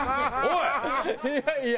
いやいや。